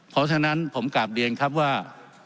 เพราะฉะนั้นผมกลับเรียนครับว่า